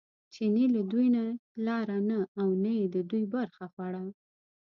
چیني له دوی نه لاره نه او نه یې د دوی برخه خوړه.